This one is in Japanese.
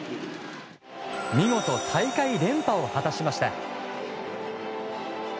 見事、大会連覇を果たしました。